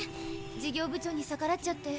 事業部長に逆らっちゃって。